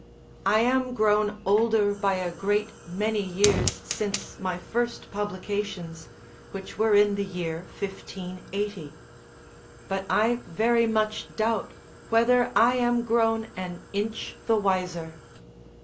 I am grown older by a great many years since my first publications, which were in the year 1580; but I very much doubt whether I am grown an inch the wiser.